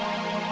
kita nggak tahu